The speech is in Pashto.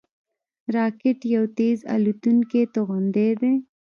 راکټ یو تېز الوتونکی توغندی دی